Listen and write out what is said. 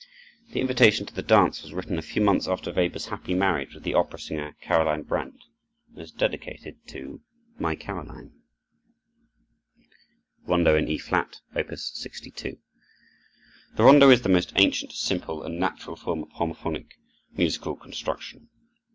The "Invitation to the Dance" was written a few months after Weber's happy marriage with the opera singer, Caroline Brandt, and is dedicated to "My Caroline." Weber: Rondo in E Flat, Op. 62 The rondo is the most ancient, simple, and natural form of homophonic musical construction.